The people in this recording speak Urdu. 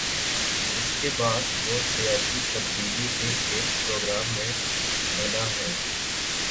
اس کے بعد وہ سیاسی تبدیلی کے ایک پروگرام میں ڈھلا ہے۔